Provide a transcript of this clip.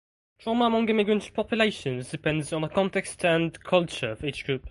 Trauma among immigrant populations depends on the context and culture of each group.